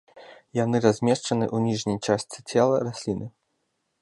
Яны размешчаны ў ніжняй частцы цела расліны.